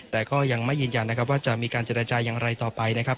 แต่ก็ยังไม่ยืนยันนะครับว่าจะมีการเจรจาอย่างไรต่อไปนะครับ